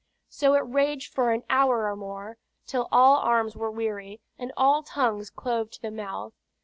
So it raged for an hour or more, till all arms were weary, and all tongues clove to the mouth.